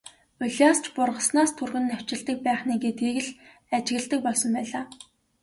Улиас ч бургаснаас түргэн навчилдаг байх нь ээ гэдгийг л ажигладаг болсон байлаа.